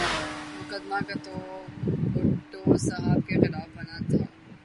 مقدمہ تو بھٹو صاحب کے خلاف بنا تھا۔